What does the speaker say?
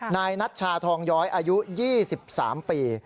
นายนัชชาทองย้อยอายุ๒๓ปี